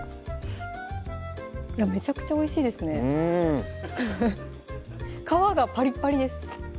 めちゃくちゃおいしいですねうん皮がパリパリです